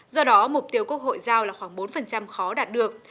do đó mục tiêu quốc hội giao là khoảng bốn khó đạt được